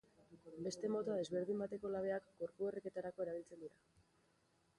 Beste mota desberdin bateko labeak gorpu-erreketarako erabiltzen dira.